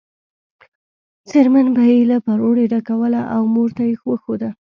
څرمن به یې له پروړې ډکوله او مور ته یې وښوده.